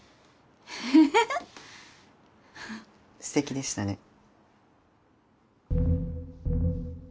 すてきでしたね。